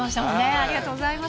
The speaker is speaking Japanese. ありがとうございます。